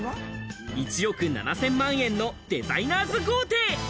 １億７０００万円のデザイナーズ豪邸。